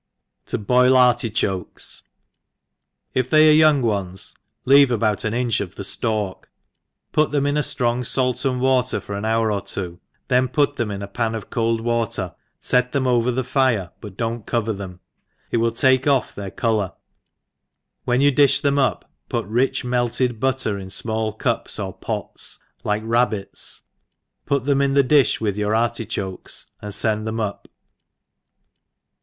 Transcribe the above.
* To ioil Artichokes. IF they are young ones, leave about an inch of the ftalks, put them in a ftrong fait and water for an hour or two, then put them in a pan of cold water, fet them over the fire, but do not cover them, it will takeoff their colour; when you difli them yp, put rich melted butjter, in fmall cups or pots, like rabbits, put them in the diih with your artichokes, and fend them vp.